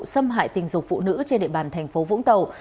xâm hại tình dục phụ nữ trên địa bàn tp vũng tàu